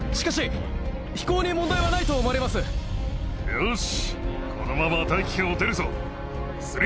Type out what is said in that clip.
よし。